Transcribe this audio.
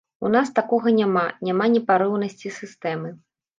У нас такога няма, няма непарыўнасці сістэмы.